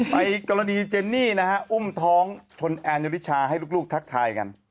อีกกรณีเจนนี่นะฮะอุ้มท้องชนแอนโยริชาให้ลูกทักทายกัน